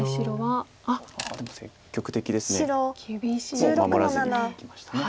もう守らずにいきました。